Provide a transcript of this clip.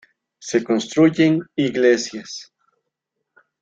Se construyen iglesias.